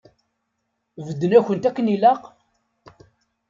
Bedden-akent akken ilaq?